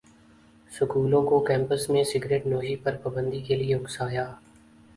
سکولوں کو کیمپس میں سگرٹنوشی پر پابندی کے لیے اکسایا